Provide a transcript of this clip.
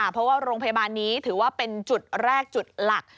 เพราะว่าโรงพยาบาลนี้ถือว่าเป็นจุดแรกจุดหลัก